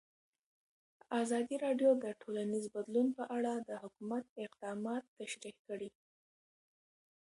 ازادي راډیو د ټولنیز بدلون په اړه د حکومت اقدامات تشریح کړي.